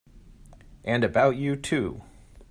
And about you too!